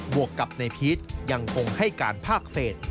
บวกกับในพีชยังพงให้การภากเศษ